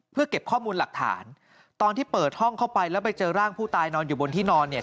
เพื่อเก็บข้อมูลหลักฐานตอนที่เปิดห้องเข้าไปแล้วไปเจอร่างผู้ตายนอนอยู่บนที่นอนเนี่ย